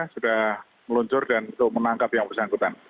sudah meluncur dan untuk menangkap yang bersangkutan